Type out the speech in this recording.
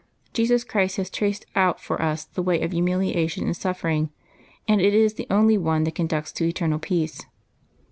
Jesus Christ has traced out for us the way of humiliation and suffering, and it is the only one that conducts to eternal peace.